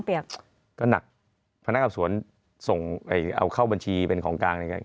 พญัติกับสวนเอาเข้าบัญชีเป็นของกลาง